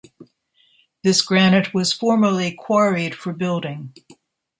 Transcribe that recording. This granite was formerly quarried for building.